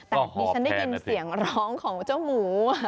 แต่ดิฉันได้ยินเสียงร้องของเจ้าหมู